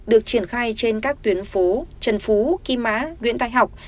được triển khai trên các tuyến phố trần phú kim á nguyễn tài học